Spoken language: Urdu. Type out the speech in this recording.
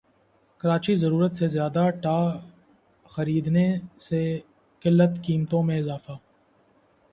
کراچی ضرورت سے زیادہ ٹا خریدنے سے قلت قیمتوں میں اضافہ